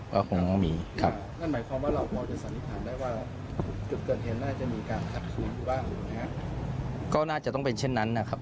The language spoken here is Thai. ก็คงมีครับนั่นหมายความว่าเราพอจะสันนิษฐานได้ว่าจุดเกิดเหตุน่าจะมีการขัดขืนอยู่บ้างก็น่าจะต้องเป็นเช่นนั้นนะครับ